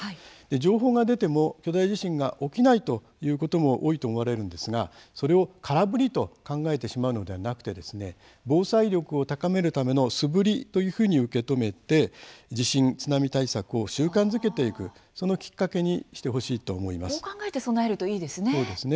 情報が出ても巨大地震が起きないということも多いと思われるんですがそれを「空振り」と考えてしまうのではなくて防災力を高めるための「素振り」というふうに受け止めて地震・津波対策を習慣づけていくそのきっかけにしてほしいとこう考えて備えるとそうですね。